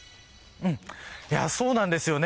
そうなんですよね。